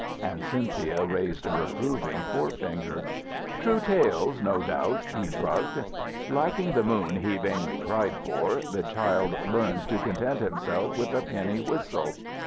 And Cynthia raised a reproving fore finger. "True tales, no doubt." He shrugged. "Lacking the moon he vainly cried for, the child learns to content himself with a penny whistle."